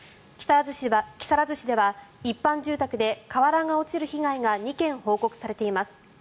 木更津市では一般住宅で瓦が落ちる被害が２件報告されています。